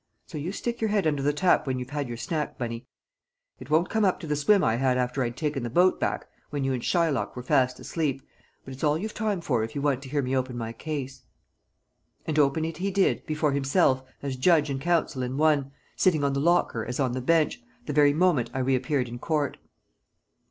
So you stick your head under the tap when you've had your snack, Bunny; it won't come up to the swim I had after I'd taken the boat back, when you and Shylock were fast asleep, but it's all you've time for if you want to hear me open my case." And open it he did before himself, as judge and counsel in one, sitting on the locker as on the bench, the very moment I reappeared in court.